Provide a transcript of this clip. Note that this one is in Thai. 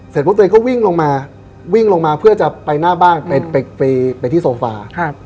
เสร็จปุ่นตัวเองก็วิ่งลงมาเพื่อจะไปหน้าบ้านไปที่โซฟา